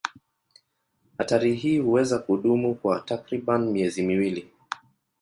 Hatari hii huweza kudumu kwa takriban miezi miwili.